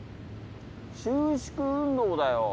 収縮運動だよ。